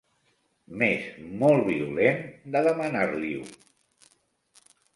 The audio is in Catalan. M'és molt violent de demanar-li-ho.